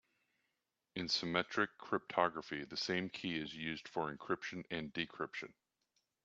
In symmetric cryptography the same key is used for encryption and decryption.